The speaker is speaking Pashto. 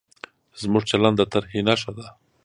زموږ چلند د ترهې نښه ده.